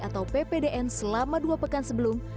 atau ppdn selama dua pekan sebelum